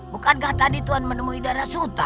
bukankah tadi tuhan menemui darah suta